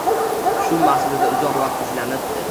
Shu maqsadida uzoq vaqt izlanibdi.